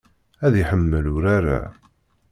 Ad iḥemmel urar-a.